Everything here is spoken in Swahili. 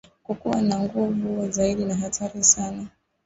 kukua na kuwa na nguvu zaidi na hatari sana